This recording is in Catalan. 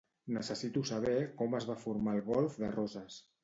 Necessito saber com es va formar el Golf de Roses.